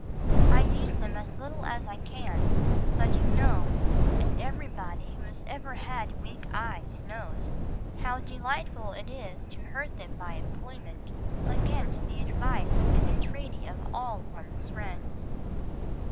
I use them as little as I can, but you know, and everybody who has ever had weak eyes knows, how delightful it is to hurt them by employment, against the advice and entreaty of all one's friends."